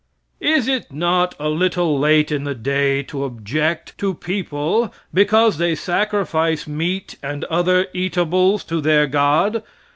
Is it not a little late in the day to object to people because they sacrifice meat and other eatables to their god?